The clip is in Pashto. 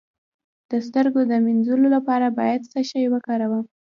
د سترګو د مینځلو لپاره باید څه شی وکاروم؟